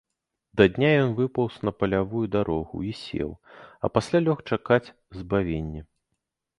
Да дня ён выпаўз на палявую дарогу і сеў, а пасля лёг чакаць збавення.